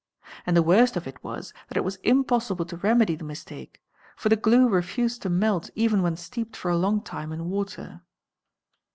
And the worst of it was that it was impossible to remedy _ the mistake, for the glue refused to melt even when steeped for a long _ time in water.